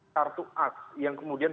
kartu aks yang kemudian